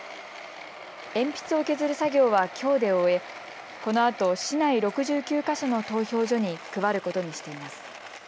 鉛筆を削る作業はきょうで終えこのあと市内６９か所の投票所に配ることにしています。